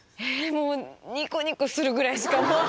もうニコニコするぐらいしかもう。